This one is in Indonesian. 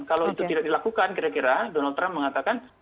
kalau itu tidak dilakukan kira kira donald trump mengatakan